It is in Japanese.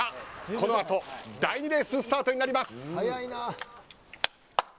このあと第２レーススタートになります。